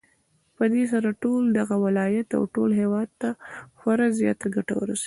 پدې سره ټول دغه ولايت او ټول هېواد ته خورا زياته گټه ورسېده